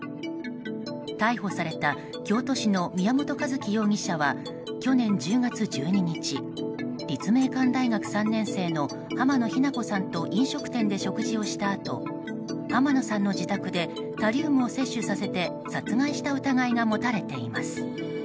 逮捕された京都市の宮本一希容疑者は去年１０月１２日立命館大学３年生の浜野日菜子さんと飲食店で食事をしたあと浜野さんの自宅でタリウムを摂取させて殺害した疑いが持たれています。